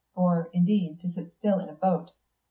Or, indeed, to sit still in a boat.